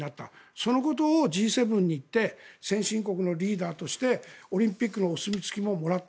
そのことをＧ７に言って先進国のリーダーとしてオリンピックのお墨付きももらった。